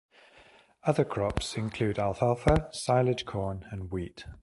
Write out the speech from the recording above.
Other crops include Alfalfa, silage corn, and wheat.